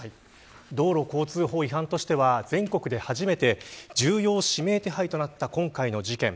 道路交通法違反としては全国で初めて重要指名手配となった今回の事件。